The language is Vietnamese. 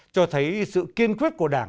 cho thấy sự kiên quyết của đảng